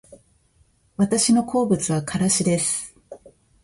私の好物はからしです